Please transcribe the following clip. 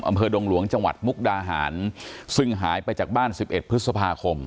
ดงหลวงจังหวัดมุกดาหารซึ่งหายไปจากบ้าน๑๑พฤษภาคม